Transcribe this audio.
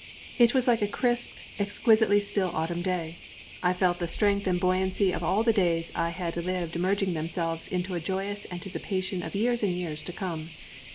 It was like a crisp, exquisitely still autumn day. I felt the strength and buoyancy of all the days I had lived merging themselves into a joyous anticipation of years and years to come.